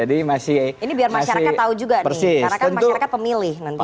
ini biar masyarakat tahu juga nih karena kan masyarakat pemilih nanti